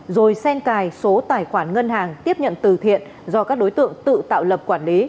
rồi sen cài số tài khoản ngân hàng tiếp nhận từ thiện do các đối tượng tự tạo lập quản lý